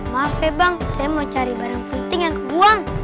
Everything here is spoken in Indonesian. maaf bang saya mau cari barang penting yang kebuang